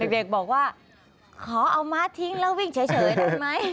เด็กบอกว่าขอเอาม้าทิ้งแล้ววิ่งเฉยได้ไหม